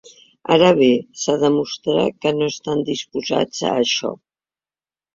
Ara bé, s’ha demostrat que no estan disposats a això.